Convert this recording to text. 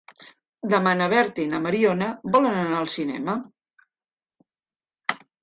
Demà na Berta i na Mariona volen anar al cinema.